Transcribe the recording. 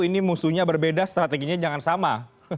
ini musuhnya berbeda strateginya jangan sama